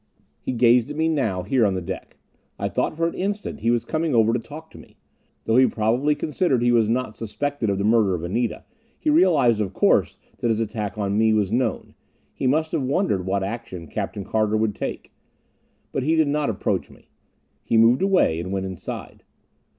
He gazed at me now, here on the deck. I thought for an instant he was coming over to talk to me. Though he probably considered he was not suspected of the murder of Anita, he realized, of course, that his attack on me was known; he must have wondered what action Captain Carter would take. But he did not approach me; he moved away, and went inside.